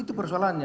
itu persoalan ya